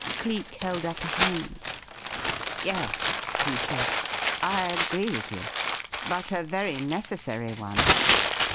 Cleek held up a hand. "Yes," he said, "I agree with you. But a very necessary one.